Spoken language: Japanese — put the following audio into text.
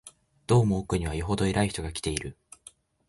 どうも奥には、よほど偉い人が来ている